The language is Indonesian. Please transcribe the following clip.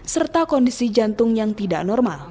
serta kondisi jantung yang tidak normal